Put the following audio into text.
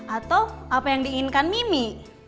atau apa yang diinginkan mimi